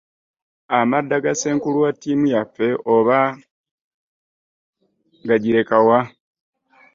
Amadda ga ssenkulu wa ttiimu yaffe oba gagireka wa?